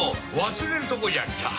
忘れるとこじゃった。